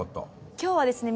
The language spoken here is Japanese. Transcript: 今日はですね